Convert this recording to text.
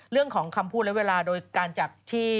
เรื่องของคำพูดและเวลาโดยการจากที่